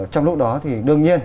trong lúc đó thì đương nhiên